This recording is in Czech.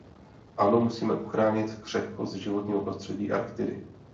Ano, musíme ochránit křehkost životního prostředí Arktidy.